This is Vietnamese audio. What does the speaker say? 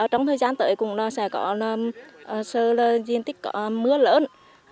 trong thời gian tới cũng sẽ có sơ diện tích mưa lớn